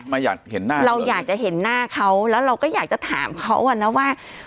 ไม่อยากเห็นหน้าเราอยากจะเห็นหน้าเขาแล้วเราก็อยากจะถามเขาอ่ะนะว่า